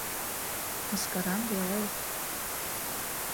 Мыскарам веле...